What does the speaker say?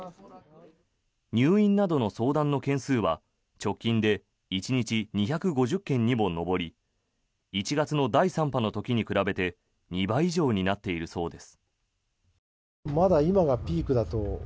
入院などの相談の件数は直近で１日２５０件にも上り１月の第３波の時に比べて２倍以上になっているそうです。